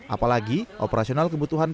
apalagi operasional kebutuhan